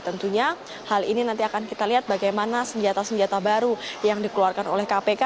tentunya hal ini nanti akan kita lihat bagaimana senjata senjata baru yang dikeluarkan oleh kpk